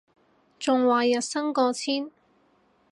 仲話日薪過千